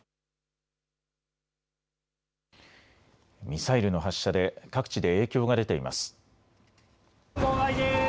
ミサイルの発射で、各地で影響が出ています。